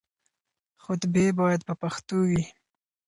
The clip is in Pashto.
خطبې بايد په پښتو وي.